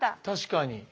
確かに。